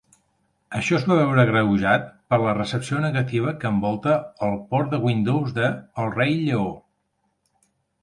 Això es va veure agreujat per la recepció negativa que envolta el port de Windows de "El Rei Lleó".